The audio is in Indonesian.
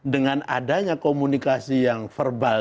dengan adanya komunikasi yang verbal